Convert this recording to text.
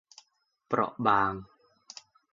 เปราะบาง